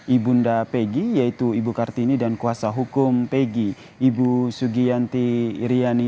ibunda peggy yaitu ibu kartini dan kuasa hukum peggy ibu sugiyanti iriani